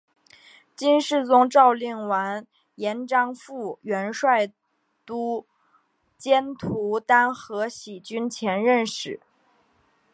金世宗诏令完颜璋赴元帅都监徒单合喜军前任使。